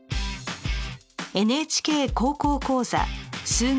「ＮＨＫ高校講座数学Ⅱ」。